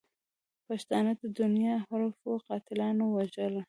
پښتانه د دنیا حرفوي قاتلاتو وژل.